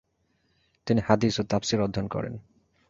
তিনি হাদিস ও তাফসীর অধ্যয়ন করেন।